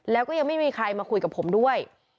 แล้วก็ยังไม่มีใครมาคุยกับผมด้วย